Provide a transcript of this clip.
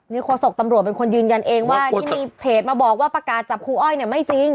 นี่โฆษกตำรวจเป็นคนยืนยันเองว่าที่มีเพจมาบอกว่าประกาศจับครูอ้อยเนี่ยไม่จริง